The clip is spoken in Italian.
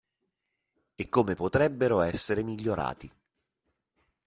E come potrebbero essere migliorati.